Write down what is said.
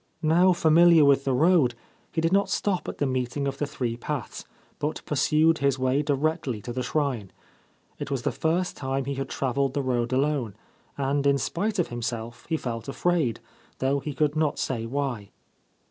Now familiar with the road, he did not stop at the meeting of the three paths, but pursued his way directly to the shrine. It was the first time he had travelled the road alone, and in spite of himself he felt afraid, though he could not say why.